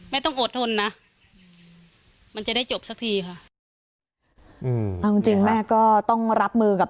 ไม่ต้องอดทนนะมันจะได้จบสักทีค่ะจริงแม่ก็ต้องรับมือกับ